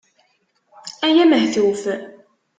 Ay amehtuf!